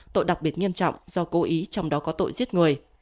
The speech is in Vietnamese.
tội đặc biệt nghiêm trọng do cố ý trong đó có tội giết người